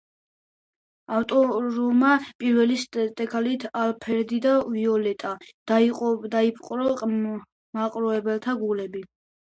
ავტორმა პირველი სპექტაკლით „ალფრედი და ვიოლეტა“ დაიპყრო მაყურებელთა გულები.